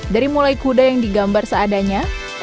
dari mulai kuda yang digambar seadanya